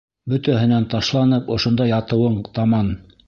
Бөтәһенән ташланып ошонда ятыуың таман!